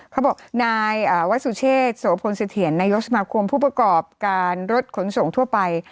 เขาบอกนายวสุเชษโสพลเสถียรนายกสมาคมผู้ประกอบการรถขนส่งทั่วไป